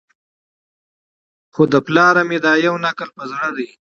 خو له پلاره مي دا یو نکل په زړه دی